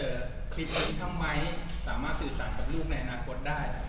คิดว่าทำไมสามารถสื่อสารกับลูกในอนาคตได้